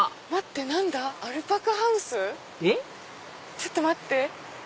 ちょっと待って。